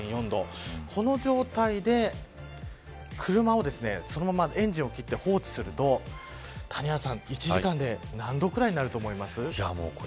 この状態で車をそのままエンジンを切って放置すると１時間で何度ぐらいになると思いますか。